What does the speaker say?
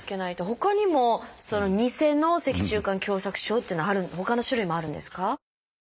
ほかにも「ニセの脊柱管狭窄症」っていうのはほかの種類もあるんですか？